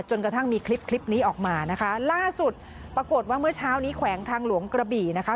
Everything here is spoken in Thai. กระทั่งมีคลิปคลิปนี้ออกมานะคะล่าสุดปรากฏว่าเมื่อเช้านี้แขวงทางหลวงกระบี่นะคะ